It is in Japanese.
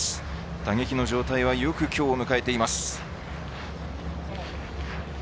打撃の状態はよくきょうを迎えています。